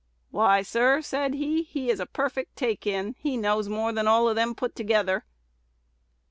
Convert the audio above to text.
'Why, sir,' said he, 'he is a perfect take in: he knows more than all of them put together.'"